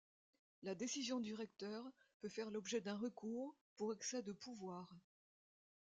La décision du recteur peut faire l'objet d'un recours pour excès de pouvoir.